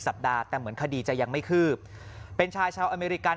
สัปดาห์แต่เหมือนคดีจะยังไม่คืบเป็นชายชาวอเมริกัน